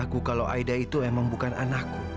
aku kalau aida itu emang bukan anakku